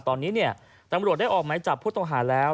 ตอนนี้เนี่ยตำรวจได้ออกไม้จับผู้ต้องหาแล้ว